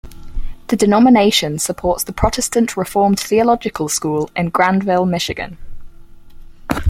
The denomination supports the Protestant Reformed Theological School in Grandville, Michigan.